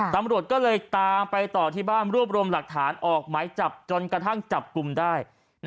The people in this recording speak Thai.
ตำรวจก็เลยตามไปต่อที่บ้านรวบรวมหลักฐานออกหมายจับจนกระทั่งจับกลุ่มได้